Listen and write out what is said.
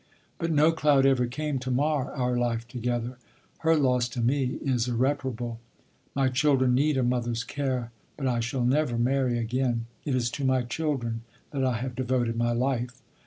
But no cloud ever came to mar our life together; her loss to me is irreparable. My children need a mother's care, but I shall never marry again. It is to my children that I have devoted my life.